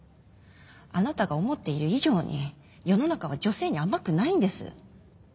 あなたが思っている以上に世の中は女性に甘くないんです。